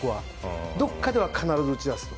どこかでは必ず打ち出すと。